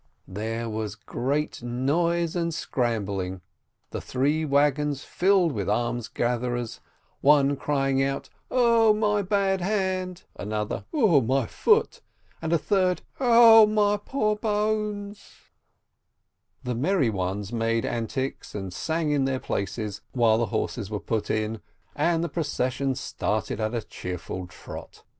There was a great noise and scrambling, the three wagons filled with almsgatherers, one crying out, "0 my bad hand !" another, "0 my foot !" and a third, "0 AN ORIGINAL STRIKE 89 my poor bones !" The merry ones made antics, and sang in their places, while the horses were put in, and the procession started at a cheerful trot.